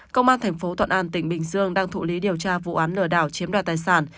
công an thành phố thuận an tỉnh bình dương đang thụ lý điều tra vụ án lừa đảo chiếm đoạt tài sản